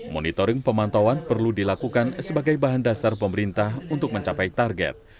monitoring pemantauan perlu dilakukan sebagai bahan dasar pemerintah untuk mencapai target